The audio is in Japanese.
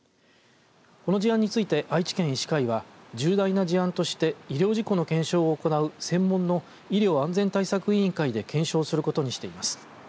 この事案について愛知県医師会は重大な事案として医療事故の検証を行う専門の医療安全対策委員会で検証することにしています。